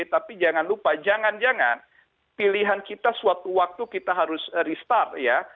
tapi jangan lupa jangan jangan pilihan kita suatu waktu kita harus restart ya